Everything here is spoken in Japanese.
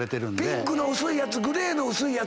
ピンクの薄いやつグレーの薄いやつ。